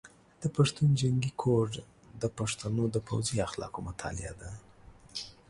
د پښتون جنګي کوډ د پښتنو د پوځي اخلاقو مطالعه ده.